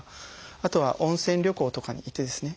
あとは温泉旅行とかに行ってですね